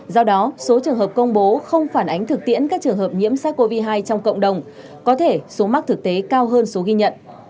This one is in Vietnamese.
do đó số trường hợp công bố không phản ánh thực tiễn các trường hợp nhiễm sars cov hai trong cộng đồng có thể số mắc thực tế cao hơn số ghi nhận